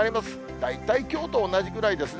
大体きょうと同じくらいですね。